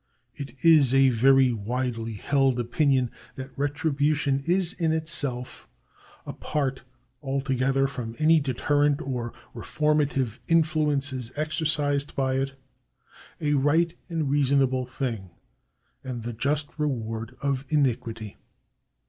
It is a very widely held opinion that retribution is in itself, apart alto gether from any deterrent or reformative influences exercised by it, a right and reasonable thing, and the just reward of iniquity.